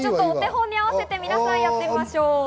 お手本に合わせて皆さんやってみましょう。